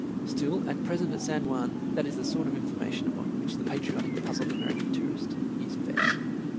Still, at present at San Juan that is the sort of information upon which the patriotic and puzzled American tourist is fed.